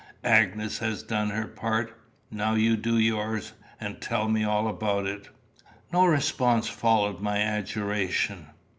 Agnes has done her part. Now you do yours, and tell me all about it." No response followed my adjuration.